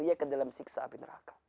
tidak terima kesukaan